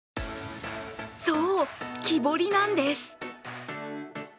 そう、木彫りなんです。